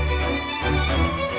emang ini yang paling parah